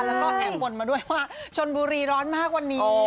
แล้วก็แอบบนมาด้วยว่าชนบุรีร้อนมากวันนี้